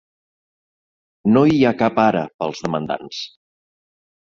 No hi ha cap ara per als demandants.